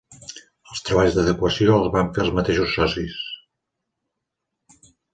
Els treballs d'adequació els van fer els mateixos socis.